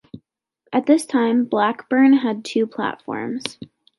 At this time, Blackburn had two platforms.